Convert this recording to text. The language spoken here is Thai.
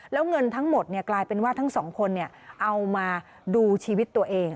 แล้วเงินทั้งหมดกลายเป็นว่าทั้งสองคนเอามาดูชีวิตตัวเอง